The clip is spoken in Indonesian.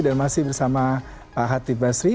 dan masih bersama pak hati bisri